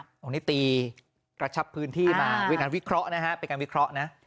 อันนี้ตีกระชับพื้นที่มาเป็นการวิเคราะห์นะฮะเป็นการวิเคราะห์นะ